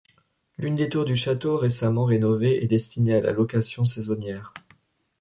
L'une des tours du château récemment rénovées est destinée à la location saisonnière.